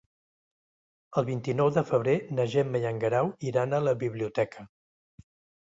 El vint-i-nou de febrer na Gemma i en Guerau iran a la biblioteca.